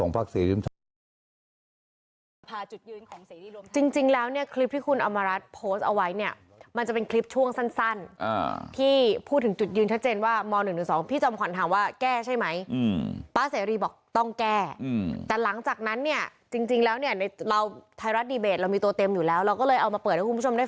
เพราะฉะนั้นในความคิดของภาคเสรียริมทรัพย์